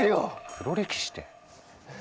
黒歴史って。